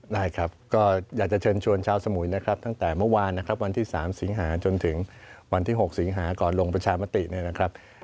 ได้ครับก็อยากจะเชิญชวนชาวสมุยนะครับตั้งแต่เมื่อวานนะครับวันที่๓สิงหาจนถึงวันที่๖สิงหาก่อนลงประชามติเนี่ยนะครับ